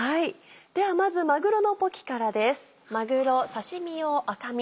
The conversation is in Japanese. ではまずまぐろのポキからです。